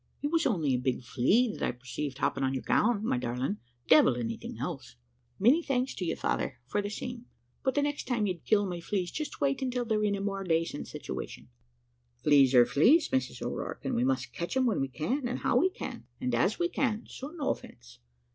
"`It was only a big flea that I perceived hopping on your gown, my darling, devil anything else.' "`Many thanks to you, father, for that same; but the next time you'd kill my fleas, just wait until they're in a more dacent situation.' "`Fleas are fleas, Mrs O'Rourke, and we must catch 'em when we can, and how we can, and as we can, so no offence.